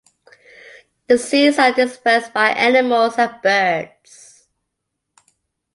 The seeds are dispersed by animals and birds.